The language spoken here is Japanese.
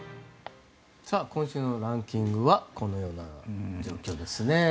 今週のランキングはこのような状況ですね。